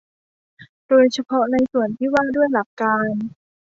โดยเฉพาะในส่วนที่ว่าด้วยหลักเกณฑ์